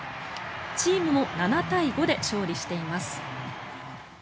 チームも７対５で勝利しています。